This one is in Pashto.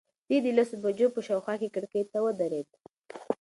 دی د لسو بجو په شاوخوا کې کړکۍ ته ودرېد.